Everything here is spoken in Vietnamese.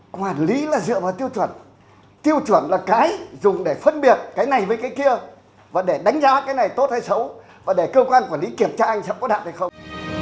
quản lý là dựa vào tiêu chuẩn tiêu chuẩn là cái dùng để phân biệt cái này với cái kia và để đánh giá cái này tốt hay xấu và để cơ quan quản lý kiểm tra anh xem có đạt hay không